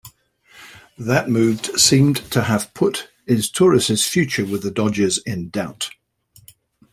That move seemed to have put Izturis' future with the Dodgers in doubt.